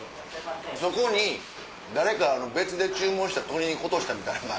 そこに誰か別で注文した鶏肉落としたみたいな。